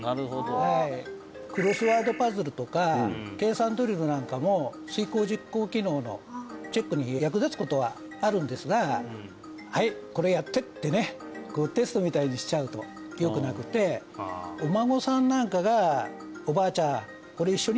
はいクロスワードパズルとか計算ドリルなんかも遂行実行機能のチェックに役立つことはあるんですが「はいこれやって」ってねテストみたいにしちゃうとよくなくてお孫さんなんかがって言ってね